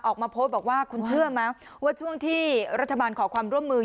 ออกมาโพสต์บอกว่าคุณเชื่อไหมว่าช่วงที่รัฐบาลขอความร่วมมือ